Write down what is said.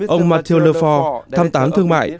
ông mathieu lefort thăm tán thương mại